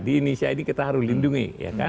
di indonesia ini kita harus lindungi